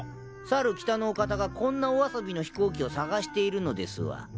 さる北のお方がこんなお遊びの飛行機を探しているのですわ。